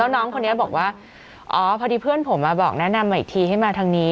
น้องคนนี้บอกว่าอ๋อพอดีเพื่อนผมมาบอกแนะนำมาอีกทีให้มาทางนี้